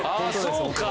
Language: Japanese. そうか。